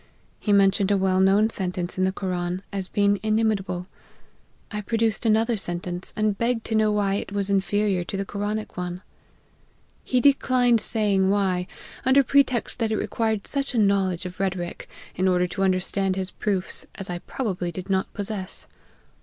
He mentioned a well known sentence in the Koran, as being inimitable. I pro duced another sentence, and begged to know why it was inferior to the Koranic one. He declined saying why, under pretext that it required such a knowledge of rhetoric, in order to understand his proofs, as I probably did not possess.